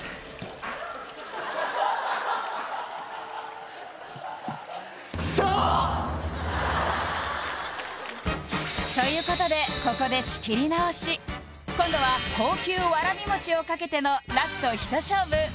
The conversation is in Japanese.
・ハハハということでここで仕切り直し今度は高級わらび餅を賭けてのラスト一勝負！